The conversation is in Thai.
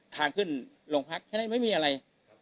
ทางขึ้นโรงพักแค่นั้นไม่มีอะไร